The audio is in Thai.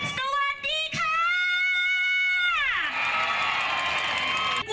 สวัสดีค่ะ